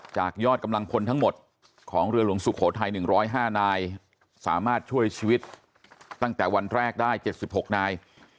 จากยอดกำลังพลทั้งหมดของเรือหลวงสุโขทัย๑๐๕นายสามารถช่วยชีวิตตั้งแต่วันแรกได้๗๖นาย